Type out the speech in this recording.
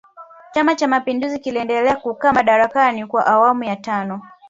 chama cha mapinduzi kiliendelea kukaa madarakani kwa awamu ya tano